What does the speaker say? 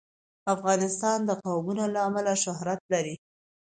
افغانستان د قومونه له امله شهرت لري.